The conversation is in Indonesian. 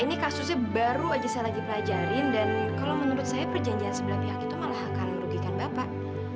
ini kasusnya baru aja saya lagi pelajarin dan kalau menurut saya perjanjian sebelah pihak itu malah akan merugikan bapak